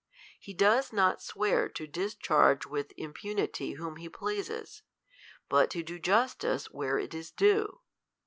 Ife does not swear to discharge with impu nity whom he pleases ; but to do justice where it is due.